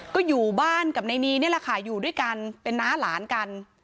ก็อยู่บ้านกับในนี้นี่แหละค่ะอยู่ด้วยกันเป็นน้าหลานกัน